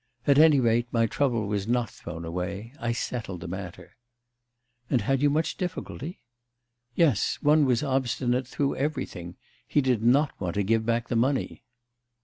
At any rate, my trouble was not thrown away; I settled the matter.' 'And had you much difficulty?' 'Yes. One was obstinate through everything. He did not want to give back the money.